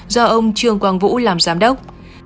do ông trương quang vũ làm giám đốc